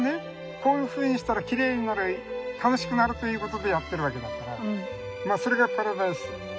こういうふうにしたらきれいになる楽しくなるということでやってるわけだからそれがパラダイスなのかな。